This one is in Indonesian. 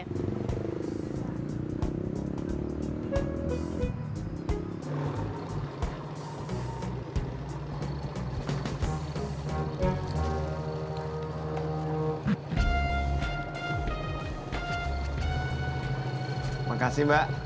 terima kasih bang